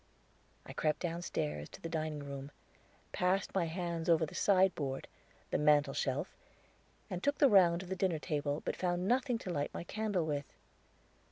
I crept downstairs, to the dining room, passed my hands over the sideboard, the mantel shelf, and took the round of the dinner table, but found nothing to light my candle with.